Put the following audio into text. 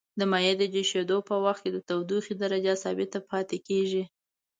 د مایع د جوشیدو په وقت کې د تودوخې درجه ثابته پاتې کیږي.